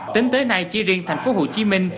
tính tới nay chỉ riêng thành phố hồ chí minh